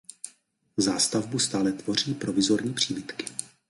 Zástavbu stále tvoří provizorní příbytky.